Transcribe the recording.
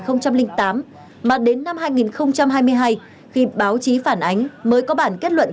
các xe phạm trên đã xảy ra từ năm hai nghìn tám mà đến năm hai nghìn hai mươi hai khi báo chí phản ánh mới có bản kết luận